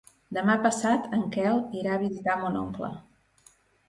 Demà passat en Quel irà a visitar mon oncle.